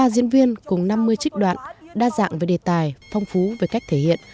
ba mươi diễn viên cùng năm mươi trích đoạn đa dạng về đề tài phong phú về cách thể hiện